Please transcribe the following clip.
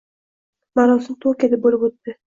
Marosim Tokioda bo'lib o'tdi